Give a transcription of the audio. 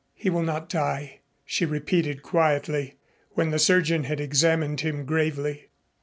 "He will not die," she repeated quietly when the surgeon had examined him gravely.